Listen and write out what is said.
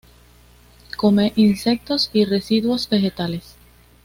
Come insectos y residuos vegetales.